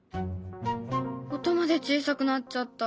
音まで小さくなっちゃった。